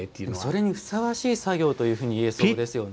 それにふさわしい作業というふうに言えそうですよね。